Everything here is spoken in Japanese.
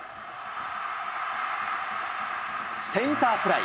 センターフライ。